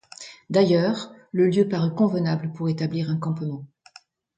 D’ailleurs, le lieu parut convenable pour établir un campement.